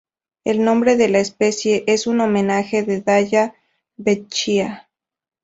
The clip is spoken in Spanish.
El nombre de la especie es en homenaje de Dalla Vecchia.